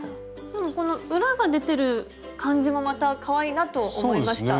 でもこの裏が出てる感じもまたかわいいなと思いました。